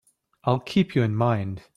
I'll keep you in mind.